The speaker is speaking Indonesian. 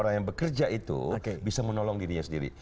orang yang bekerja itu bisa menolong dirinya sendiri